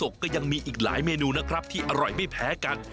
ก็ยังมีอีกหลายเมนูนะครับที่อร่อยไม่แพ้กัน